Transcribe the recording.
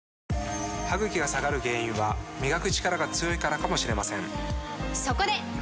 歯ぐきが下がる原因は磨くチカラが強いからかもしれませんそこで！